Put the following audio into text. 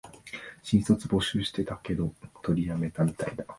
新卒募集してたけど、取りやめたみたいだ